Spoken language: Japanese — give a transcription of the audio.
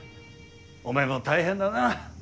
お前も大変だな。